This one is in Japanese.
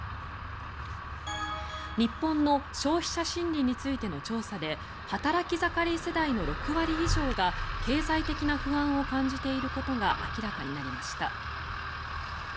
日本の消費者心理についての調査で働き盛り世代の６割以上が経済的な不安を感じていることが明らかになりました。